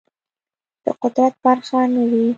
د قدرت برخه نه وي